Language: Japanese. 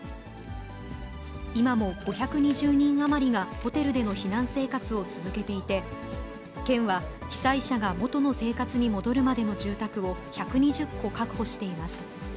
今も５２０人余りがホテルでの避難生活を続けていて、県は被災者が元の生活に戻るまでの住宅を、１２０戸確保しています。